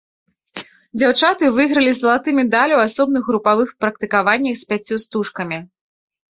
Дзяўчаты выйгралі залаты медаль у асобных групавых практыкаваннях з пяццю стужкамі.